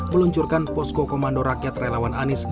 meluncurkan posko komando rakyat relawan anies baswedan